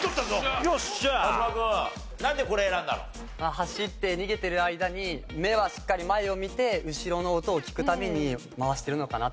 走って逃げてる間に目はしっかり前を見て後ろの音を聞くために回してるのかなと。